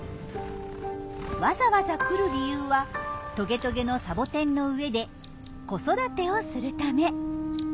わざわざ来る理由はトゲトゲのサボテンの上で子育てをするため。